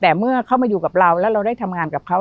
แต่เมื่อเขามาอยู่กับเราแล้วเราได้ทำงานกับเขา